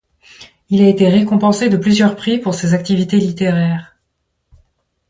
Il a été récompensé de plusieurs prix pour ses activités littéraires.